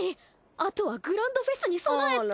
あとはグランドフェスに備えて！